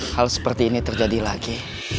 hal seperti ini terjadi lagi